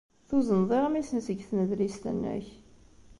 Tuzneḍ iɣmisen seg tnedlist-nnek.